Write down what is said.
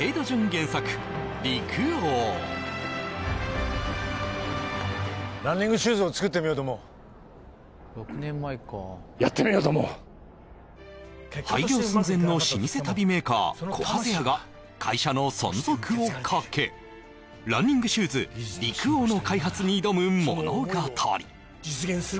原作「陸王」ランニングシューズを作ってみようと思うやってみようと思う廃業寸前の老舗足袋メーカーこはぜ屋が会社の存続をかけランニングシューズ陸王の開発に挑む物語